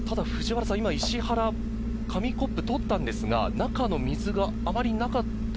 今、石原、紙コップをとったんですが中の水があまりなかった。